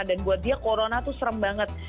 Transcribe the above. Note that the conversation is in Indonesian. dan buat dia corona tuh serem banget